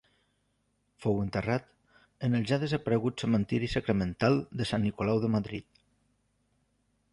Fou enterrat en el ja desaparegut Cementiri Sacramental de Sant Nicolau de Madrid.